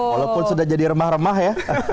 walaupun sudah jadi remah remah ya